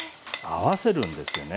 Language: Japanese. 合わせるんですよね。